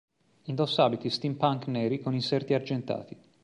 Indossa abiti steampunk neri con inserti argentati.